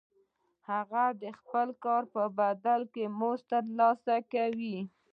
هغه د خپل کار په بدل کې مزد ترلاسه کوي